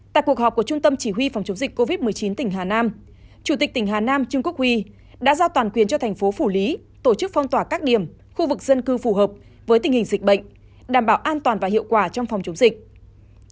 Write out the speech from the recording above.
tại cuộc họp của trung tâm chỉ huy phòng chống dịch covid một mươi chín tỉnh hà nam chủ tịch tỉnh hà nam trương quốc huy đã giao toàn quyền cho thành phố phủ lý tổ chức phong tỏa các điểm khu vực dân cư phù hợp với tình hình dịch bệnh đảm bảo an toàn và hiệu quả trong phòng chống dịch